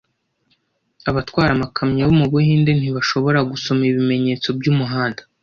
abatwara amakamyo yo mu Buhinde ntibashobora Gusoma Ibimenyetso by'umuhanda